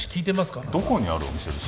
あなたどこにあるお店ですか？